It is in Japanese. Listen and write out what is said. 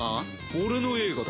俺の映画だ。